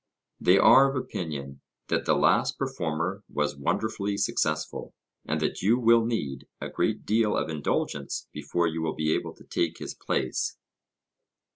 They are of opinion that the last performer was wonderfully successful, and that you will need a great deal of indulgence before you will be able to take his place.